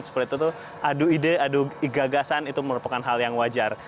seperti itu adu ide adu gagasan itu merupakan hal yang wajar